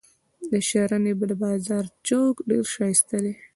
د شرنۍ د بازار چوک ډیر شایسته دي.